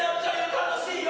楽しいよ！